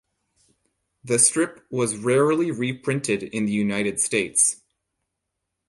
The strip was rarely reprinted in the United States.